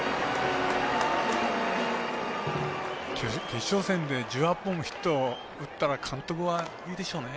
決勝戦で１８本のヒット打ったら監督はいいでしょうね。